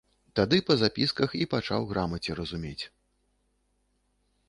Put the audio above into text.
Тады па запісках і пачаў грамаце разумець.